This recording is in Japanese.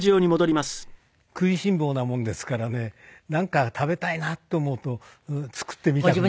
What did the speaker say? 食いしん坊なもんですからねなんか食べたいなと思うと作ってみたくなる。